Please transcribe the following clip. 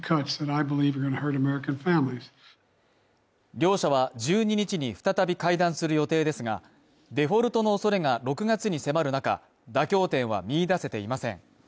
両者は１２日に再び会談する予定ですが、デフォルトの恐れが６月に迫る中、妥協点は見いだせていません。